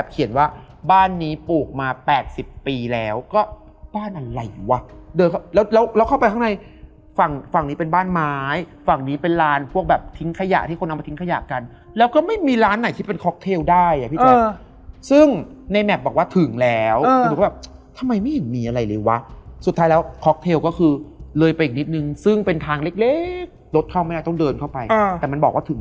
เอาใบนี้ไปไว้ใต้เตียงแล้วก็เอาเงินไปซื้อเตียง